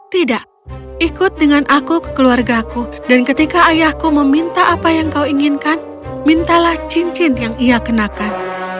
tidak ikut dengan aku ke keluarga aku dan ketika ayahku meminta apa yang kau inginkan mintalah cincin yang ia kenakan